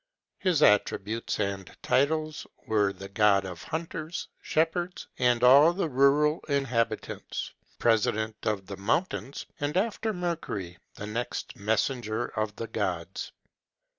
His attributes and titles were the god of hunters, shepherds, and all the rural inhabitants; president of the mountains; and, after Mercury, the next messenger of the gods.